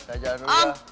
jalan dulu ya semuanya